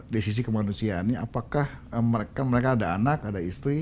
di sisi kemanusiaannya apakah mereka ada anak ada istri